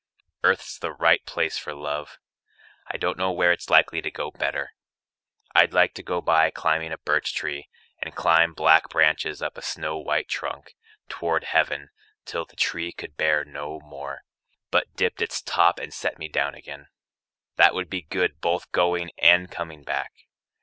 Earth's the right place for love: I don't know where it's likely to go better. I'd like to go by climbing a birch tree, And climb black branches up a snow white trunk Toward heaven, till the tree could bear no more, But dipped its top and set me down again. That would be good both going and coming back.